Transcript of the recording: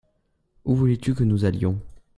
Où voulais-tu que nous allions ?